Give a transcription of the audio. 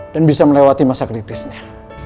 dan bisa melewati masa kritisnya